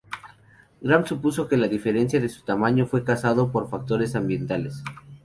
Gram supuso que la diferencia de tamaño fue casado por factores ambientales.